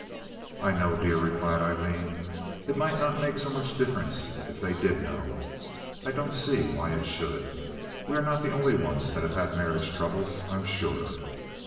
"I know, dear," replied Aileen, "it might not make so much difference if they did know. I don't see why it should. We are not the only ones that have had marriage troubles, I'm sure.